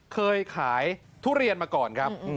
เคยขายทุเรียนมาก่อนครับ